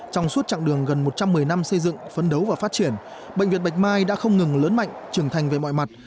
trong suốt chặng đường gần một trăm một mươi năm xây dựng phấn đấu và phát triển bệnh viện bạch mai đã không ngừng lớn mạnh trưởng thành về mọi mặt